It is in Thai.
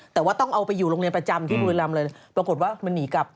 แต่ว่าต้องเอาไปอยู่โรงเรียนประจำที่บุรีรำเลยปรากฏว่ามันหนีกลับ